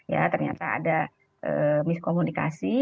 ya ternyata ada miskomunikasi